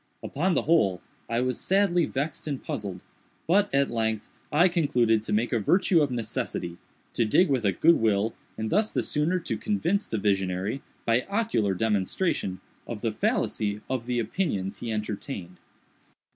Upon the whole, I was sadly vexed and puzzled, but, at length, I concluded to make a virtue of necessity—to dig with a good will, and thus the sooner to convince the visionary, by ocular demonstration, of the fallacy of the opinions he entertained.